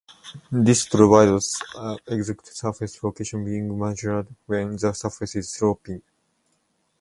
This provides the exact surface location being measured when the surface is sloping.